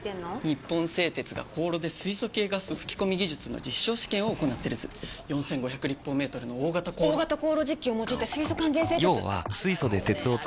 日本製鉄が高炉で素系ガス吹き込み技術の実証試験を行っている図苅毅娃立方メートルの大型高炉大型高炉実機を用いた素還元製鉄！